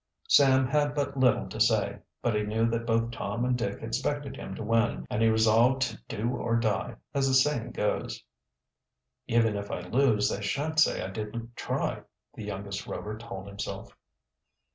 Sam had but little to say. But he knew that both Tom and Dick expected him to win, and he resolved to "do or die" as the saying goes. "Even if I lose they shan't say I didn't try," the youngest Rover told himself.